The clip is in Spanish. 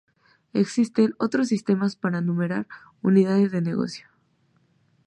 Existen otros sistemas para numerar unidades de negocio.